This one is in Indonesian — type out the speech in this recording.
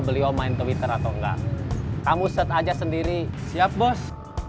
beliau main twitter atau enggak kamu set aja sendiri siap bos